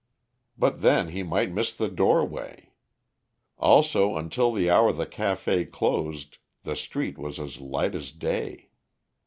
But then he might miss the doorway. Also until the hour the café closed the street was as light as day.